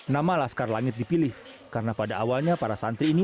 nama laskar langit dipilih karena pada awalnya para santri ini